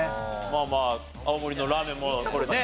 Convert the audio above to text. まあまあ青森のラーメンもこれね